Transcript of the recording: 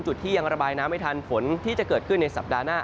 จุดที่ยังระบายน้ำไม่ทันฝนที่จะเกิดขึ้นในสัปดาห์หน้า